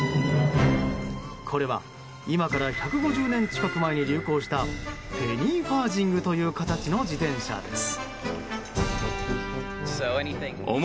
これは今から１５０年近く前に流行したペニーファージングという形の自転車です。